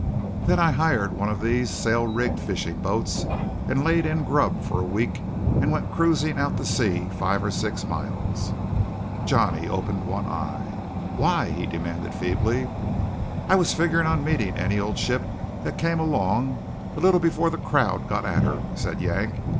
Then I hired one of these sail rigged fishing boats and laid in grub for a week and went cruising out to sea five or six miles." Johnny opened one eye. "Why?" he demanded feebly. "I was figgerin' on meeting any old ship that came along a little before the crowd got at her," said Yank.